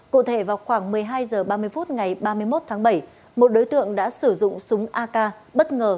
cụ thể vào khoảng một mươi hai h ba mươi phút ngày ba mươi một tháng bảy một đối tượng đã sử dụng súng ak bất ngờ